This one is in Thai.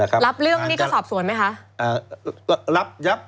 รับเรื่องนี่ก็สอบสวนไหมคะ